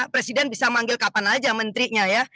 presiden bisa manggil kapan aja menterinya ya